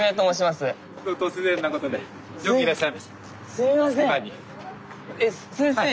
すいません！